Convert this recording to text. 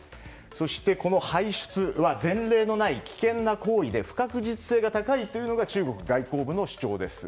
そして、この排出は前例のない危険な行為で不確実性が高いというのが中国外交部の主張です。